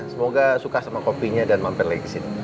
semoga suka sama kopinya dan mampir lagi disini